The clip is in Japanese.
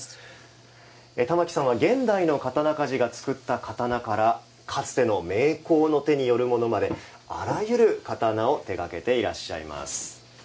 玉置さんは現代の刀鍛冶が作った刀からかつての名工の手によるものまであらゆる刀を手がけてらっしゃいます。